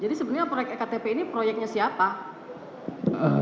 jadi sebenarnya proyek ektp ini proyeknya siapa